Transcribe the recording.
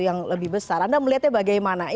yang lebih besar anda melihatnya bagaimana